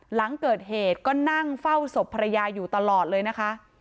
หลังเกิดเหตุก็นั่งเฝ้าศพภรรยาอยู่ตลอดเลยนะคะ